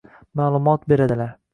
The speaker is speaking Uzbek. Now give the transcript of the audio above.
ma’lumot beradilar.